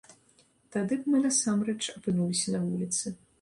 Тады б мы насамрэч апынуліся на вуліцы.